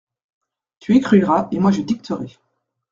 Tu écriras, et moi je dicterai.